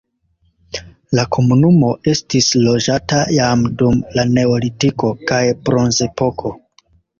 La komunumo estis loĝata jam dum la neolitiko kaj bronzepoko.